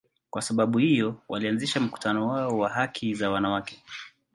Kwa sababu hiyo, walianzisha mkutano wao wa haki za wanawake.